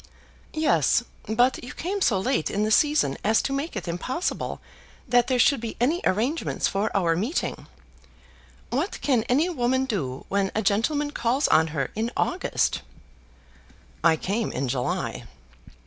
"Yes; but you came so late in the season as to make it impossible that there should be any arrangements for our meeting. What can any woman do when a gentleman calls on her in August?" "I came in July."